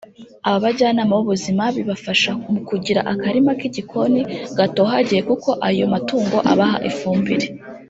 Aba bajyanama b’ubuzima bibafasha mu kugira akarima k’igikoni gatohagiye kuko ayo matungo abaha ifumbire